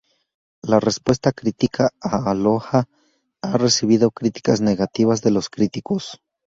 La respuesta crítica a "Aloha" ha recibido críticas negativas de los críticos.